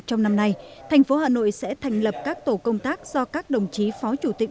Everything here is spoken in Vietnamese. trong năm nay thành phố hà nội sẽ thành lập các tổ công tác do các đồng chí phó chủ tịch